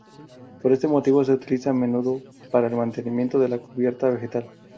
Por este motivo se utiliza, a menudo, para el mantenimiento de la cubierta vegetal.